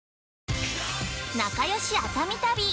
◆仲よし熱海旅！